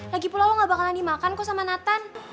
lagi pula lo gak bakalan dimakan kok sama nathan